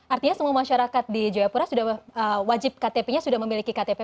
artinya semua masyarakat di jayapura wajibnya sudah mengalami ektp pak